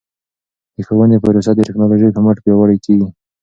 د ښوونې پروسه د ټکنالوژۍ په مټ پیاوړې کیږي.